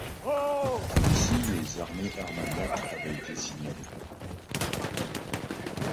Ainsi les armées Armagnac avaient été signalées.